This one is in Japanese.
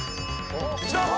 きた！